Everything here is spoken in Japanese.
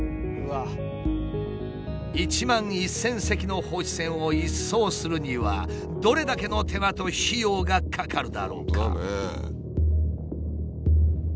１万１，０００隻の放置船を一掃するにはどれだけの手間と費用がかかるだろうか。